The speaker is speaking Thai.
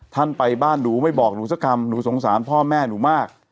ท่านไปบ้านหนูไม่บอกหนูสักคำหนูสงสารพ่อแม่หนูมาก